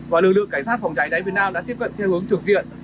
và lực lượng cảnh sát phòng cháy cháy việt nam đã tiếp cận theo hướng trực diện